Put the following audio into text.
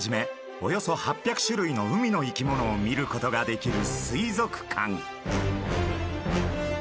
およそ８００種類の海の生き物を見ることができる水族館。